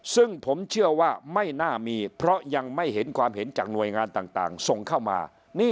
ซึ่งผมเชื่อว่าไม่น่ามีเพราะยังไม่เห็นความเห็นจากหน่วยงานต่างส่งเข้ามา